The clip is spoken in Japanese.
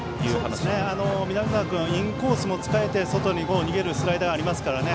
南澤君はインコースも使えて外に逃げるスライダーがありますからね。